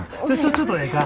ちょっとええか。